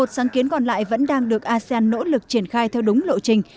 một mươi một sáng kiến còn lại vẫn đang được asean nỗ lực triển khai theo đúng lộ trình